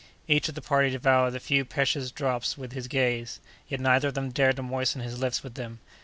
Each of the party devoured the few precious drops with his gaze, yet neither of them dared to moisten his lips with them.